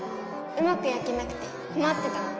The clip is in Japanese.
うまくやけなくてこまってたの。